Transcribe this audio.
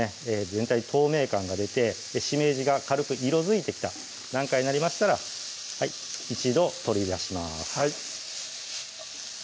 全体に透明感が出てしめじが軽く色づいてきた段階になりましたら一度取り出します